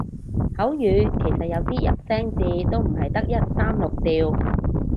口語其實有啲入聲字都唔係得一三六調